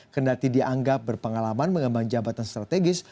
kendati dianggap berpengalaman mengembang jabatan strategis